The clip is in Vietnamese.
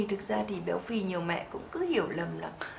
thực ra thì béo phì nhiều mẹ cũng cứ hiểu lầm là